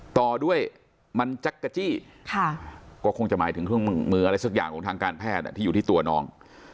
ต่อด้วยมันจักรจี้ก็คงจะหมายถึงเครื่องมืออะไรสักอย่างของทางการแพทย์ที่อยู่ที่ตัวน้อง